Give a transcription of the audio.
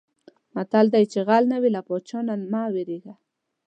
متل دی: چې غل نه وې له پادشاه نه مه وېرېږه.